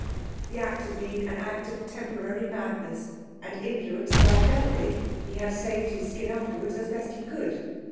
The act had been an act of temporary madness; and influenced by Dellwig, he had saved his skin afterwards as best he could.